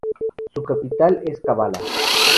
Su capital es Kavala.